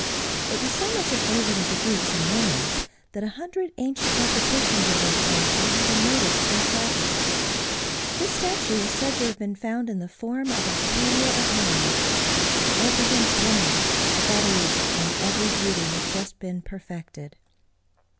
It was so much a favorite of the Greeks and Romans, that a hundred ancient repetitions of this statue have been noticed by travellers. This statue is said to have been found in the forum of Octavia at Rome. It represents woman at that age when every beauty has just been perfected.